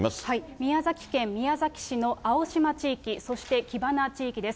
宮崎県宮崎市の青島地域、そして木花地域です。